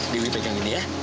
dewi pegang ini ya